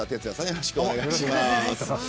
よろしくお願いします。